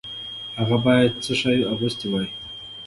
هغه باید څه شی اغوستی وای؟